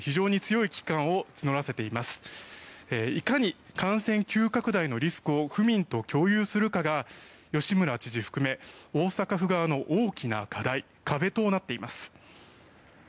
いかに感染拡大のリスクを府民と共有するかが吉村知事含め大阪府側の大きな課題壁となっています。